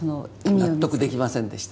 納得できませんでした。